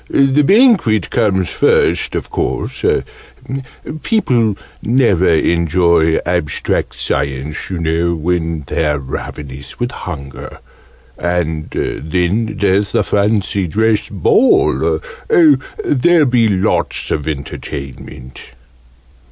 The Banquet comes first, of course. People never enjoy Abstract Science, you know, when they're ravenous with hunger. And then there's the Fancy Dress Ball. Oh, there'll be lots of entertainment!"